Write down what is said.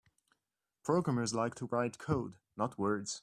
Programmers like to write code; not words.